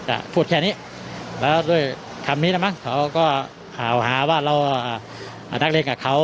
พูดแค่นี้แล้วด้วยคำนี้นะมั้งเขาก็ข่าวหาว่าเราอ่านักเลงกับเขา